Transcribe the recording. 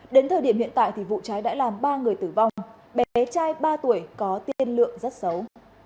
đến thời điểm hiện tại thì vụ cháy đã làm ba người tử vong bé trai ba tuổi có tiên lượng rất xấu